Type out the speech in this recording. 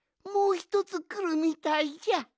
もうひとつくるみたいじゃ！